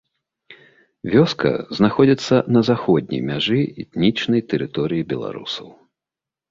Вёска знаходзіцца на заходняй мяжы этнічнай тэрыторыі беларусаў.